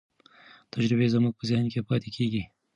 تجربې زموږ په ذهن کې پاتې کېږي.